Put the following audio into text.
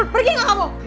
pergi gak kamu